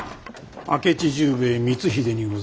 明智十兵衛光秀にござりまする。